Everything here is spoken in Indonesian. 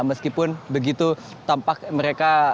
meskipun begitu tampak mereka